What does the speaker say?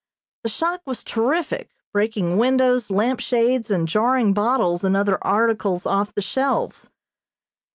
The shock was terrific, breaking windows, lamp shades, and jarring bottles and other articles off the shelves.